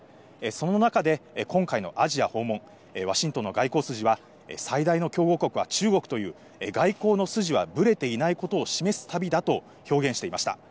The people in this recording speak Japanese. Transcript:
その中で、今回のアジア訪問、ワシントンの外交筋は、最大の競合国は中国という外交の筋はぶれていないことを示す旅だと表現していました。